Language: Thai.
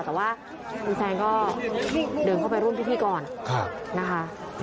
แต่ว่าคุณแซนก็เดินเข้าไปร่วมพิธีก่อนนะคะ